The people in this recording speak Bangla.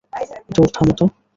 ধুর, থামো তো।